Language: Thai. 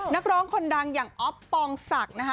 นักร้องคนดังอย่างอ๊อฟปองศักดิ์นะคะ